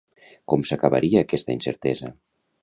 Com s'acabaria aquesta incertesa?